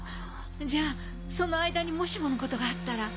じゃあその間にもしものことがあったら。